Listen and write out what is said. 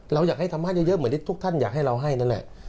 เราอยากให้ทำให้เยอะเหมือนที่ทุกท่านอยากให้เราให้นั่นแหละ